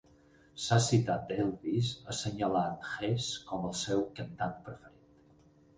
S'ha citat Elvis assenyalant Hess com el seu cantant preferit.